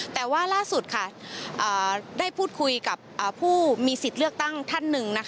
แต่ว่าล่าสุดได้พูดคุยกับผู้มีสิทธิ์เลือกตั้งท่านหนึ่ง